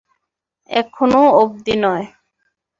এখনো অব্ধি নয়।